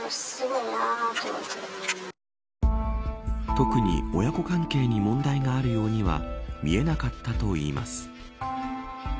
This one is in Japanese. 特に親子関係に問題があるようには見えなかったといいます。